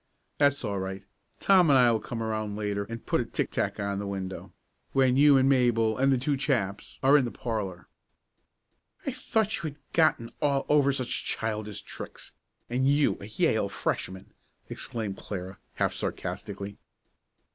"That's all right. Tom and I will come around later and put a tic tac on the window, when you and Mabel, and the two chaps, are in the parlor." "I thought you had gotten all over such childish tricks and you a Yale Freshman!" exclaimed Clara, half sarcastically.